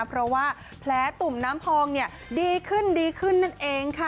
เพราะว่าแผลตุ่มน้ำพองดีขึ้นดีขึ้นนั่นเองค่ะ